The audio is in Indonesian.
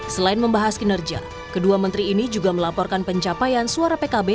selain membahas kinerja kedua menteri ini juga melaporkan pencapaian suara pkb